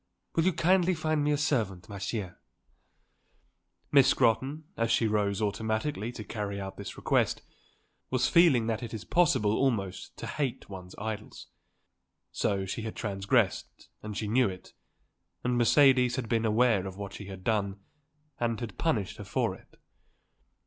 Will you kindly find me a servant, ma chère." Miss Scrotton, as she rose automatically to carry out this request, was feeling that it is possible almost to hate one's idols. She had transgressed, and she knew it, and Mercedes had been aware of what she had done and had punished her for it.